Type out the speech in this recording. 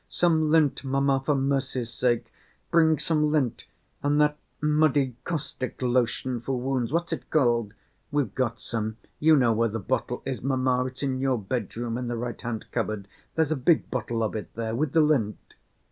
"Some lint, mamma, for mercy's sake, bring some lint and that muddy caustic lotion for wounds, what's it called? We've got some. You know where the bottle is, mamma; it's in your bedroom in the right‐hand cupboard, there's a big bottle of it there with the lint."